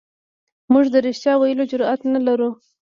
موږ د رښتیا ویلو جرئت نه لرو.